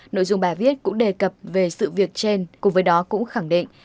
nội dung bài viết cũng đề cập về sự việc trên cùng với đó cũng khẳng định